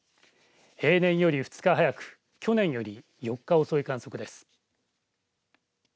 平年より２日早く去年より４日遅い観測です。